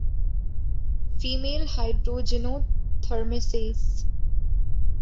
Family Hydrogenothermaceae